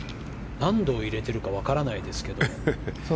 何号を入れているか分からないですが。